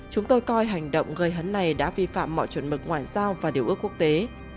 chúng tôi coi hành động gây hấn này đã vi phạm mọi chuẩn mực ngoại giao và điều ước quốc tế